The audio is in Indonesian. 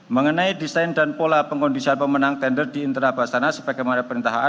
mengenai desain dan pola pengkondisian pemenang tender di intra bastana sebagai pemerintah ha